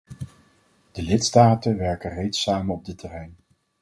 De lidstaten werken reeds samen op dit terrein.